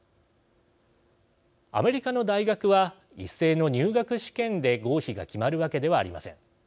アメリカの大学は一斉の入学試験で合否が決まるわけではありません。